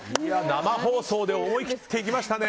生放送で思い切っていきましたね